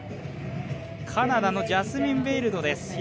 カナダのジャスミン・ベイルドです。